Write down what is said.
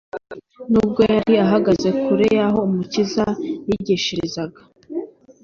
Nubwo yari ahagaze kure y'aho Umukiza yigishirizaga,